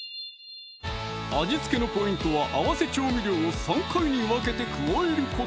味付けのポイントは合わせ調味料を３回に分けて加えること